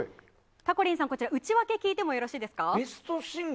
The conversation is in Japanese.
たこりんさん、内訳聞いてもよろしいですか。